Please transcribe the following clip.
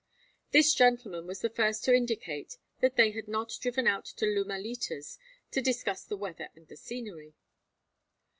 This gentleman was the first to indicate that they had not driven out to Lumalitas to discuss the weather and the scenery.